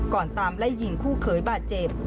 ตามไล่ยิงคู่เขยบาดเจ็บ